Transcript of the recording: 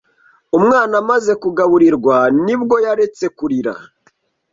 Umwana amaze kugaburirwa ni bwo yaretse kurira.